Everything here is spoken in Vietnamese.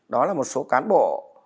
đó là một số cán bộ